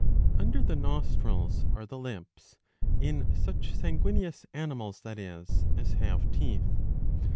Under the nostrils are the lips, in such sanguineous animals, that is, as have teeth.